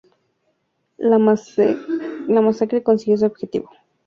La masacre consiguió su objetivo.